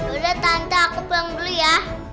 udah tante aku pulang dulu ya